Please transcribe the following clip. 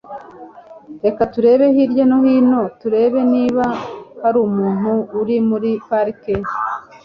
Reka turebe hirya no hino turebe niba hari umuntu uri muri parike.